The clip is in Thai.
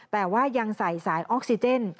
แต่ว่ายังใส่สายออกซิเจน